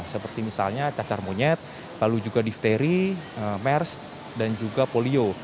seperti misalnya cacar monyet lalu juga difteri mers dan juga polio